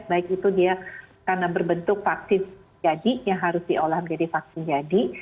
baik itu dia karena berbentuk vaksin jadi ya harus diolah menjadi vaksin jadi